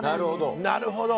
なるほど。